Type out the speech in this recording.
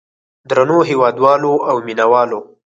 درنو هېوادوالو او مینه والو.